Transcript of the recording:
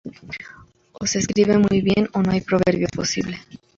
O se escribe muy bien o no hay proverbio posible.